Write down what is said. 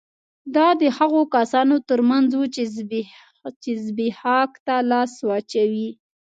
دا د هغو کسانو ترمنځ وو چې زبېښاک ته لاس واچوي